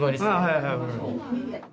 はいはい。